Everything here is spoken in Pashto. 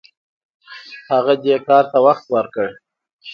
هغه دې کار ته وخت ورکړ.